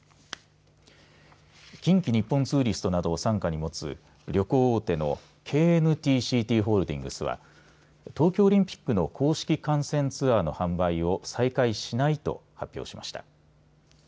近畿日本ツーリストなどを傘下に持つ旅行大手のＫＮＴ‐ＣＴホールディングスは東京オリンピックの公式観戦ツアーの販売を再開しないと発表しました。